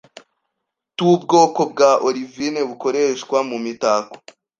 tubwoko bwa olivine bukoreshwa mumitako